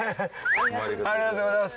ありがとうございます。